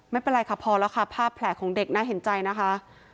ไม่เป็นไรค่ะพอแล้วค่ะภาพแผลของเด็กน่าเห็นใจนะคะ